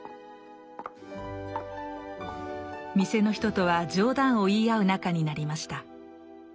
店の人とは冗談を言い合う仲になりました。